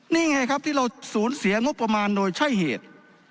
นี่ไงครับที่เราสูญเสียงบประมาณโดยใช่เหตุ